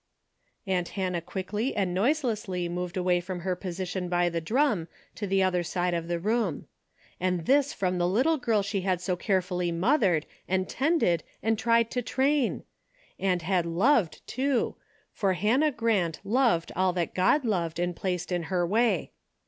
Aunt Hannah quickly and noiselessly moved away from her position by the drum to the other side of the room. And this from the little girl she had so carefully mothered, and tended, and tried to train ! And had loved, too, for Hannah Grant loved all that God loved and placed in her way.